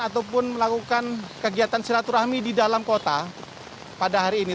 ataupun melakukan kegiatan silaturahmi di dalam kota pada hari ini